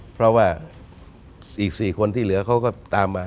เพราะว่าอีก๔คนที่เหลือเขาก็ตามมา